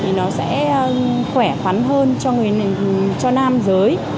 thì nó sẽ khỏe khoắn hơn cho nam giới